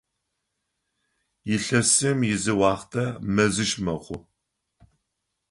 Илъэсым изыуахътэ мэзищ мэхъу.